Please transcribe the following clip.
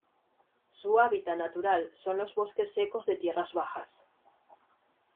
Su hábitat natural son los bosques secos de tierras bajas.